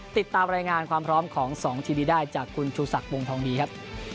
ติดตามรายงานความพร้อมของ๒ทีวีได้จากคุณชูศักดิ์วงทองดีครับ